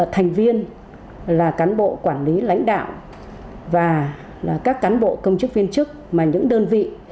thành viên là cán bộ quản lý lãnh đạo và các cán bộ công chức viên chức mà những đơn vị